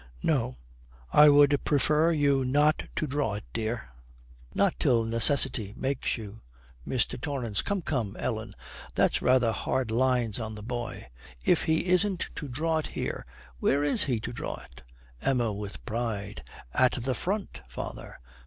No, I would prefer you not to draw it, dear not till necessity makes you.' MR. TORRANCE. 'Come, come, Ellen; that's rather hard lines on the boy. If he isn't to draw it here, where is he to draw it?' EMMA, with pride, 'At the Front, father.'